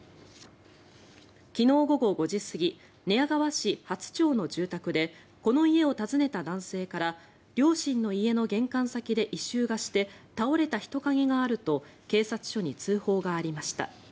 昨日午後５時過ぎ寝屋川市初町の住宅でこの家を訪ねた男性から両親の家の玄関先で異臭がして倒れた人影があると警察署に通報がありました。